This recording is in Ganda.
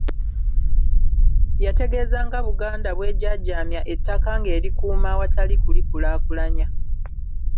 Yategeeza nga Buganda bw'ejaajamya ettaka ng'erikuuma awatali kulikulaakulanya.